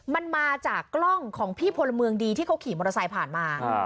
มันมาจากกล้องของพี่พลเมืองดีที่เขาขี่มอเตอร์ไซค์ผ่านมา